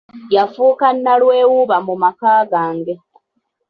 Yafuuka nnalwewuuba mu maka gange.